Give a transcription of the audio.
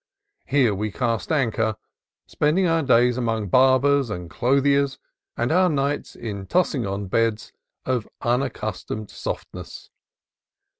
Here we cast anchor, spending our days among barbers and clothiers and our nights in tossing on beds of unac customed softness.